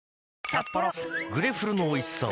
「グレフル」の美味しさを‼